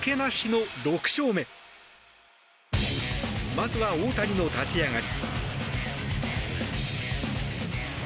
まずは大谷の立ち上がり。